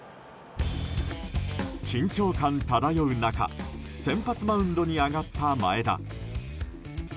緊張感漂う中先発マウンドに上がった前田。